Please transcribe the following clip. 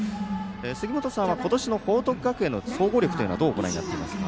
杉本さんは今年の報徳学園の総合力はどうご覧になっていますか？